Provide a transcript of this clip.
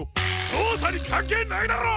そうさにかんけいないだろ！